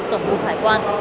tổng bộ hải quan